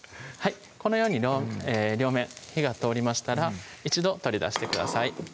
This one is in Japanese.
このように両面火が通りましたら一度取り出してください